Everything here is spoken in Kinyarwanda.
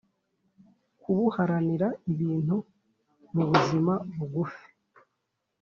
kubuharanira ibintu mubuzima bugufi